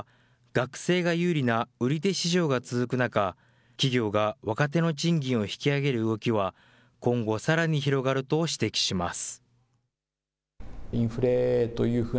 学生が有利な売手市場が続く中、企業が若手の賃金を引き上げる動きは今後、さらに広がると指摘します。